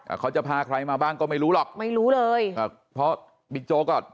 เขาจะพาใครมาบ้างก็ไม่รู้หรอกไม่รู้เลยอ่าเพราะบิ๊กโจ๊กก็